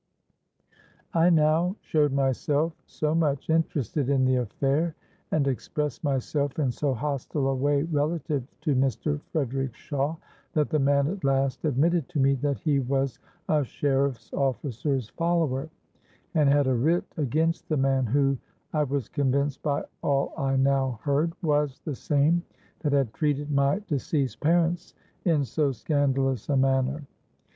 I now showed myself so much interested in the affair, and expressed myself in so hostile a way relative to Mr. Frederick Shawe, that the man at last admitted to me that he was a sheriffs' officer's follower, and had a writ against the man who, I was convinced by all I now heard, was the same that had treated my deceased parents in so scandalous a manner.